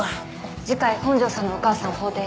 次回本庄さんのお母さんを法廷に。